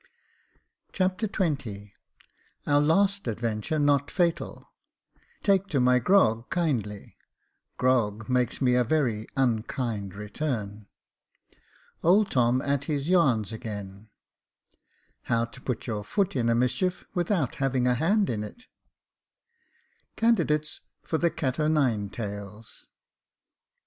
Chapter XX Our last adventure not fatal — Take to my grog kindly — Grog makes me a very unkind return — Old Tom at his yarns again — How to put your foot in a mischief, without having a hand in it — Candidates for the cat o' nine tails.